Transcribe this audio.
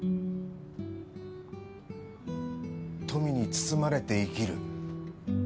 富に包まれて生きる。